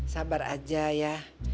sabar aja ya